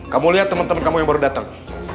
kamu lihat temen temen kamu yang baru datang